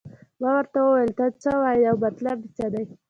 ما ورته وویل ته څه وایې او مطلب دې څه دی.